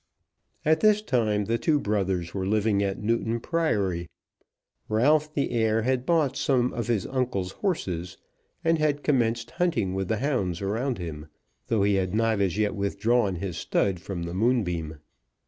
At this time the two brothers were living at Newton Priory. Ralph the heir had bought some of his uncle's horses, and had commenced hunting with the hounds around him; though he had not as yet withdrawn his stud from the Moonbeam.